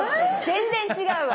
全然違うわ。